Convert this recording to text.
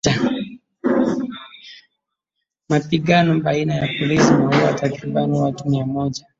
Mapigano baina ya polisi yameuwa takriban watu mia moja.